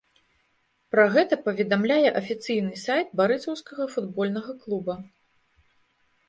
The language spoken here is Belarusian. Пра гэта паведамляе афіцыйны сайт барысаўскага футбольнага клуба.